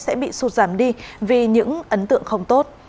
sẽ bị sụt giảm đi vì những ấn tượng không tốt